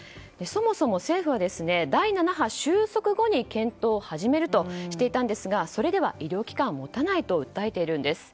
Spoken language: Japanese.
そもそも政府は第７波収束後に検討を始めるとしていたんですがそれでは医療機関はもたないと訴えているんです。